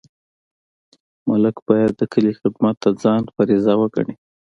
ملک باید د کلي خدمت د ځان فریضه وګڼي.